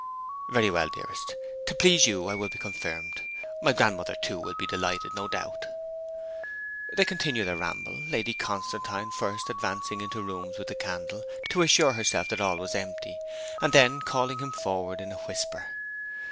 'Very well, dearest. To please you I'll be confirmed. My grandmother, too, will be delighted, no doubt.' They continued their ramble: Lady Constantine first advancing into rooms with the candle, to assure herself that all was empty, and then calling him forward in a whisper.